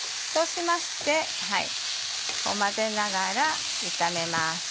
そうしまして混ぜながら炒めます。